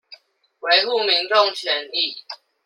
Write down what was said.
維護民眾權益